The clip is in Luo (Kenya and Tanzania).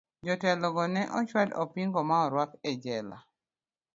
Jotelo go ne ochwad opingo ma orwak e jela.